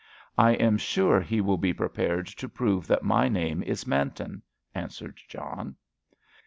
"I am sure he will be prepared to prove that my name is Manton," answered John.